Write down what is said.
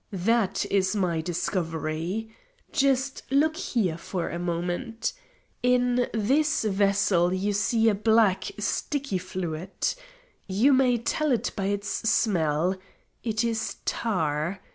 That is my discovery. Just look here for a moment. In this vessel you see a black, sticky fluid. You may tell it by its smell. It is tar.